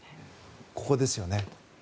ここですよね。